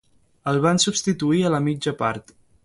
El van substituir a la mitja part.